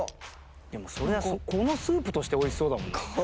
そりゃこのスープとして美味しそうだもん。